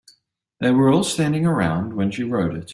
They were all standing around when she wrote it.